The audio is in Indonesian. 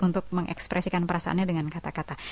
untuk mengekspresikan perasaannya dengan kata kata